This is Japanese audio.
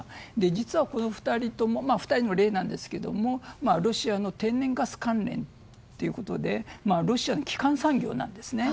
実はこの２人の例なんですがロシアの天然ガス関連ということでロシアの基幹産業なんですね。